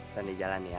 sani jalan ya